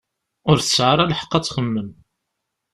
Ur tesɛi ara lḥeq ad txemmem.